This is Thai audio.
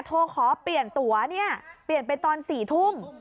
โทรขอเปลี่ยนตัวเนี่ยเปลี่ยนไปตอน๔ทุ่ม